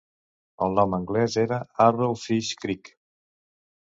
El nom anglès era "Arrow Fish Creek".